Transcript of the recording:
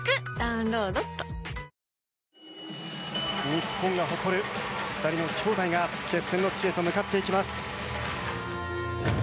日本が誇る２人の姉弟が決戦の地へと向かっていきます。